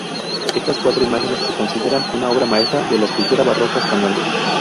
Estas cuatro imágenes se consideran una obra maestra de la escultura barroca española.